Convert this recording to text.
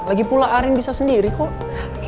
lagi pula arin bisa sendiri kok